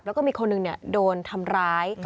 แล้วก็มีคนหนึ่งโดนทำร้าย